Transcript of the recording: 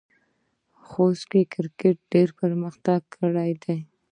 خوست کې کرکټ ډېر پرمختګ کړی دی.